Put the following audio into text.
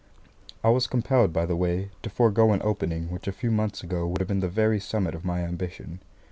I was compelled, by the way, to forego an opening which a few months ago would have been the very summit of my ambition.